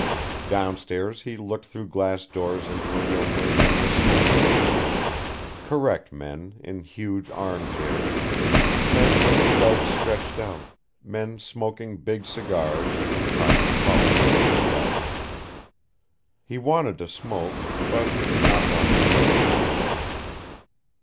Downstairs he looked through glass doors into a room where men were smoking, correct men in huge arm chairs, men with legs stretched out, men smoking big cigars and talking politics no doubt. He wanted to smoke, but he did not want to smoke in that place.